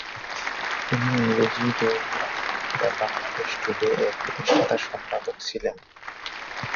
তিনি ইংরেজি দৈনিক দ্যা বাংলাদেশ টুডে-এর প্রতিষ্ঠাতা সম্পাদক ছিলেন।